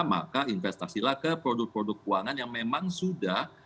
maka investasilah ke produk produk keuangan yang memang sudah